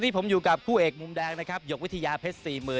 ผมอยู่กับคู่เอกมุมแดงยกวิทยาเพชร๔๐๐๐๐